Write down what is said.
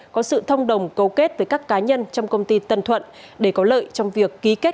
có sự thông đồng cấu kết với các cá nhân trong công ty tân thuận để có lợi trong việc ký kết